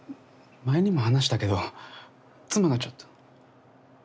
前にも話したけど妻がちょっと。